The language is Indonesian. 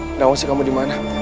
tuhan sih kamu dimana